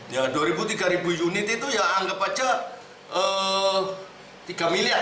ya dua tiga unit itu ya anggap saja tiga miliar lah